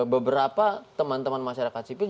beberapa teman teman masyarakat sipil